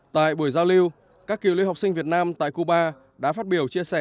tại buổi giao lưu các kiều lưu học sinh việt nam tại cuba đã phát biểu chia sẻ